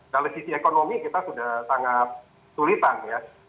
dari sisi ekonomi kita sudah sangat sulitan ya